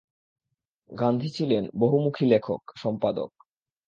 গান্ধী ছিলেন বহুমুখী লেখক, সম্পাদক।